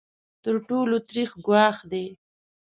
تر ټولو تریخ ګواښ دی.